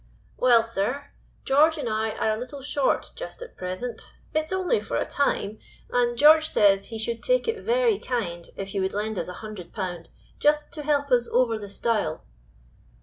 "Well, sir. George and I are a little short just at present; it is only for a time, and George says he should take it very kind if you would lend us a hundred pound, just to help us over the stile."